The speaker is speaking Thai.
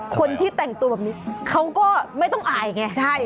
คนที่แต่งตัวแบบนี้เขาก็ไม่ต้องอายไง